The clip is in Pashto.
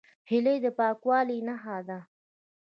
هیلۍ د پاکوالي نښه ده